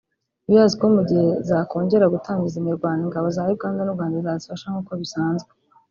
Birazwi ko mu gihe zakongera gutangiza imirwano ingabo za Uganda n’u Rwanda zazifasha nk’uko bisanzwe